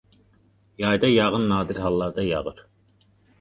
Yayda yağın nadir hallarda yağır.